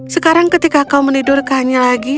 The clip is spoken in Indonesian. sekarang ketika kau menidurkannya lagi